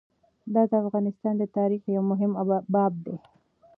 دا د افغانستان د تاریخ یو مهم باب دی.